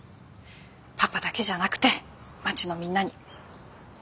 パパだけじゃなくて町のみんなに。